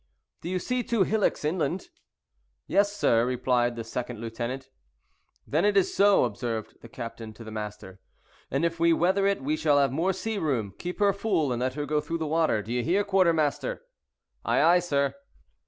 "Do you see two hillocks, inland?" "Yes, sir," replied the second lieutenant. "Then it is so," observed the captain to the master, "and if we weather it we shall have more sea room. Keep her full, and let her go through the water; do you hear, quartermaster?" "Ay, ay, sir."